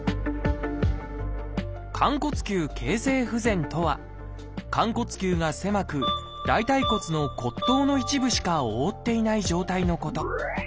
「寛骨臼形成不全」とは寛骨臼が狭く大腿骨の骨頭の一部しか覆っていない状態のこと。